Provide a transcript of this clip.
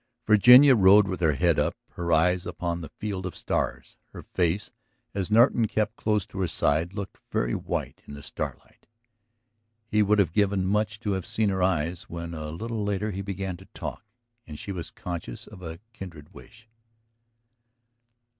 Virginia rode with her head up, her eyes upon the field of stars. Her face, as Norton kept close to her side, looked very white in the starlight. He would have given much to have seen her eyes when a little later he began to talk. And she was conscious of a kindred wish.